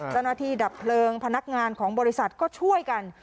ดับเพลิงพนักงานของบริษัทก็ช่วยกัน